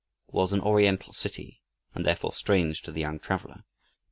It was an Oriental city, and therefore strange to the young traveler.